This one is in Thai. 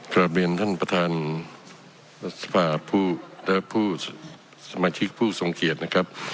กลับเรียนท่านประธานและผู้สมาชิกผู้ทรงเกียรตินะครับ